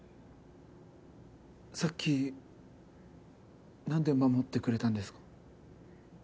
さっきなんで守ってくれたんですか？